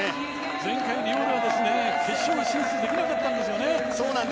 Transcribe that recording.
前回リオでは決勝進出ができなかったんですよね。